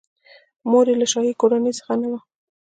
مور یې له شاهي کورنۍ څخه نه وه.